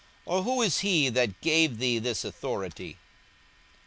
or who is he that gave thee this authority?